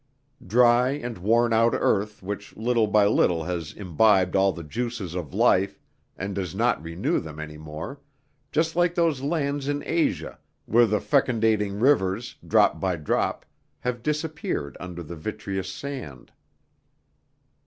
Dry and wornout earth which little by little has imbibed all the juices of life and does not renew them any more, just like those lands in Asia where the fecundating rivers, drop by drop, have disappeared under the vitreous sand.